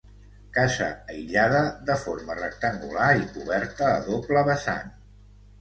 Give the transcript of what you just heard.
Casa aïllada de forma rectangular i coberta a doble vessant.